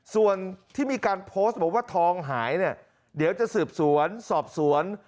ส่วนที่มีการโพสต์บอกว่าทองหายเนี่ยเดี๋ยวจะสืบสวนสอบสวน